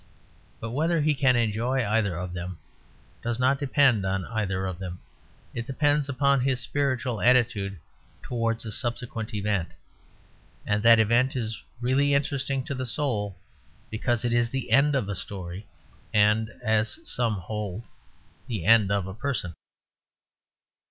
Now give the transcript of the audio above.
But whether he can enjoy either of them does not depend on either of them; it depends upon his spiritual attitude towards a subsequent event. And that event is really interesting to the soul; because it is the end of a story and (as some hold) the end of a person.